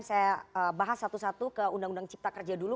saya bahas satu satu ke undang undang cipta kerja dulu